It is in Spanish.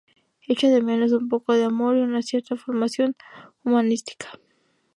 Echa de menos un poco de humor y una cierta formación humanística.